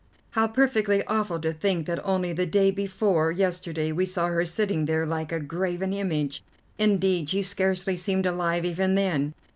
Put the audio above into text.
"How perfectly awful to think that only the day before yesterday we saw her sitting there like a graven image; indeed she scarcely seemed alive even then.